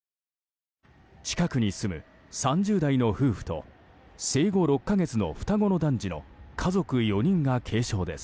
近くに住む３０代の夫婦と生後６か月の双子の男児の家族４人が軽傷です。